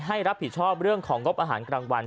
รับผิดชอบเรื่องของงบอาหารกลางวัน